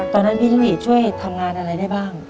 ตอนนั้นพี่ชวีช่วยทำงานอะไรได้บ้าง